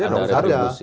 ya dong tetap ada